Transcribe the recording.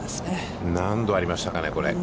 何度ありましたかね、これ。